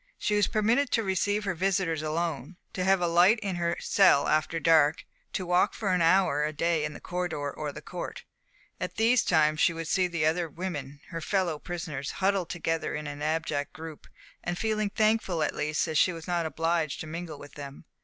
She was permitted to receive her visitors alone, to have a light in her cell after dark, to walk for an hour a day in the corridor or the court. At these times she would see those other women, her fellow prisoners, huddled together in an abject group, and feel thankful that at least she was not obliged to mingle with them.